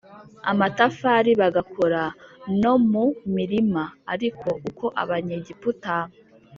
amatafari bagakora no mu mirima Ariko uko Abanyegiputa